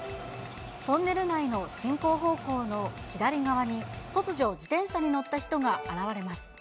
トンネル内の進行方向の左側に、突如、自転車に乗った人が現れます。